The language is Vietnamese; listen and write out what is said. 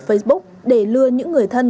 facebook để lừa những người thân